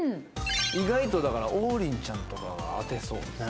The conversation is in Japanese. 意外とだから王林ちゃんとかが当てそうですね